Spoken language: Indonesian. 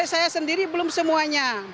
saya sendiri belum semuanya